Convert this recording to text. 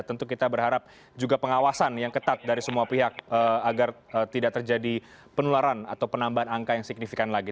tentu kita berharap juga pengawasan yang ketat dari semua pihak agar tidak terjadi penularan atau penambahan angka yang signifikan lagi